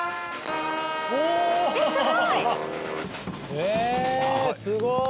ええすごい！